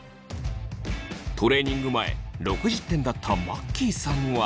トレーニング前６０点だったマッキーさんは。